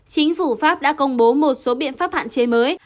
chính phủ pháp đã công bố một số biện pháp hạn chế mới